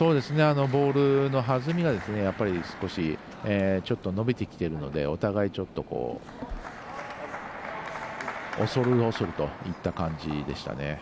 ボールの弾みが少し、伸びてきているのでお互い、恐る恐るといった感じでしたね。